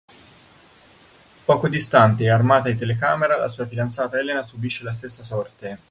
Poco distante e armata di telecamera, la sua fidanzata Elena subisce la stessa sorte.